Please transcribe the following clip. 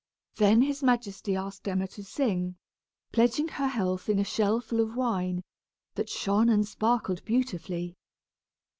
Then his majesty asked Emma to sing, pledging her health in a shell full of wine, that shone and sparkled beautifully.